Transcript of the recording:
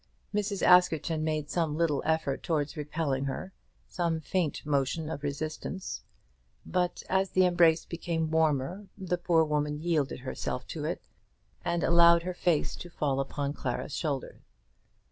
Mrs. Askerton made some little effort towards repelling her, some faint motion of resistance; but as the embrace became warmer the poor woman yielded herself to it, and allowed her face to fall upon Clara's shoulder.